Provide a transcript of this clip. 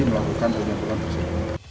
melakukan penyimpulan tersebut